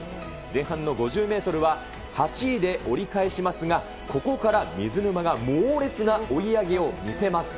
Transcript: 前半の５０メートルは、８位で折り返しますが、ここから水沼が猛烈な追い上げを見せます。